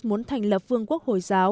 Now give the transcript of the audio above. muốn thành lập vương quốc hồi giáo